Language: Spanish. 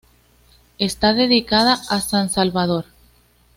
Está dedicada a San Salvador.